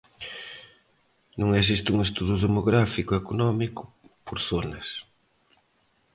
Non existe un estudo demográfico, económico, por zonas.